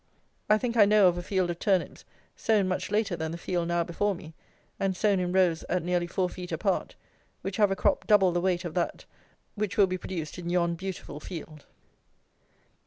I think I know of a field of turnips, sown much later than the field now before me, and sown in rows at nearly four feet apart, which have a crop double the weight of that which will be produced in yon beautiful field.